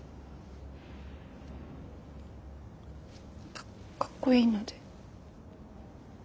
かっかっこいいので。